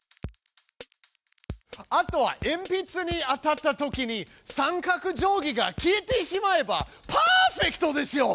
あとはえんぴつに当たったときに三角定規が消えてしまえばパーフェクトですよ！